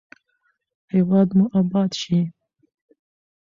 هیواد مو اباد شي.